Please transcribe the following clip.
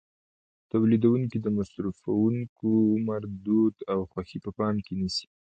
تولیدوونکي د مصرفوونکو عمر، دود او خوښې په پام کې نیسي.